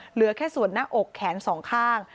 เหลือแค่ส่วนหน้าอกแขนสองข้าง